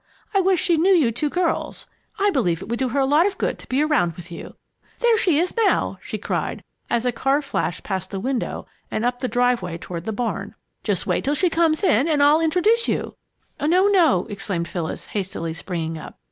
I wish she knew you two girls. I believe it would do her a lot of good to be around with you. There she is now!" she cried, as a car flashed past the window and up the driveway toward the barn. "Just wait till she comes in and I'll introduce you " "No, no!" exclaimed Phyllis, hastily springing up.